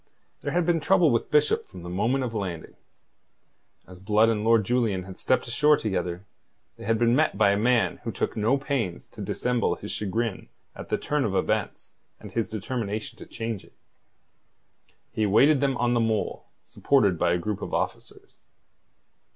There had been trouble with Bishop from the moment of landing. As Blood and Lord Julian had stepped ashore together, they had been met by a man who took no pains to dissemble his chagrin at the turn of events and his determination to change it. He awaited them on the mole, supported by a group of officers.